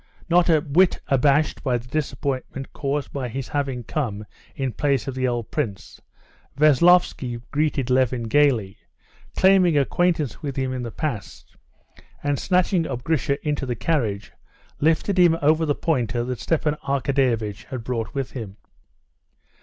Not a whit abashed by the disappointment caused by his having come in place of the old prince, Veslovsky greeted Levin gaily, claiming acquaintance with him in the past, and snatching up Grisha into the carriage, lifted him over the pointer that Stepan Arkadyevitch had brought with him.